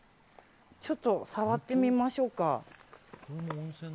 ちょっと触ってみましょうか。